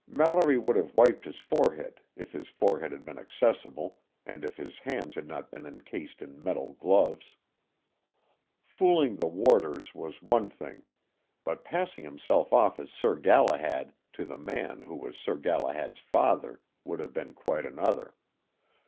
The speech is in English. Mallory would have wiped his forehead if his forehead had been accessible and if his hands had not been encased in metal gloves. Fooling the warders was one thing, but passing himself off as Sir Galahad to the man who was Sir Galahad's father would have been quite another.